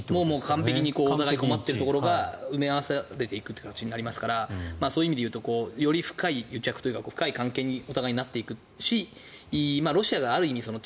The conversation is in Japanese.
完璧に困っているところが埋め合わされていく形になりますからそういう意味でいうとより深い癒着というか深い関係にお互いなっていくしロシアがある意味